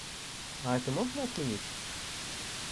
А это можно отменить?